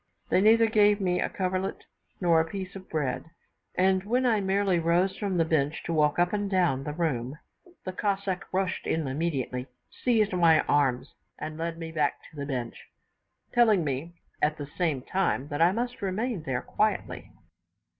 They neither gave me a coverlet nor a piece of bread; and when I merely rose from the bench to walk up and down the room, the Cossack rushed in immediately, seized my arms, and led me back to the bench, telling me, at the same time, that I must remain there quietly.